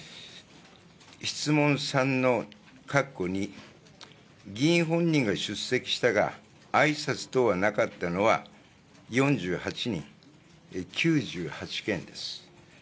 質問３のかっこ２、議員本人が出席したが、あいさつ等はなかったのは４８人、９８件です。